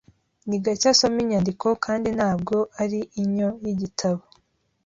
Ni gake asoma inyandiko kandi ntabwo ari inyo yigitabo.